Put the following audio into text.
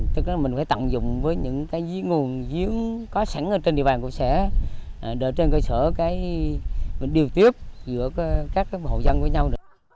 tức là mình phải tận dụng với những cái dưới nguồn dưới có sẵn ở trên địa bàn của xã đợi trên cơ sở cái điều tiếp giữa các hộ dân với nhau